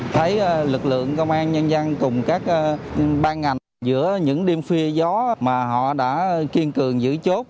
thấy lực lượng công an nhân dân cùng các ban ngành giữa những đêm khuya gió mà họ đã kiên cường giữ chốt